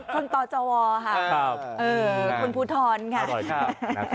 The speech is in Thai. คนต่อจัวรค่ะคนพูทรค่ะอร่อยข้าวนะครับ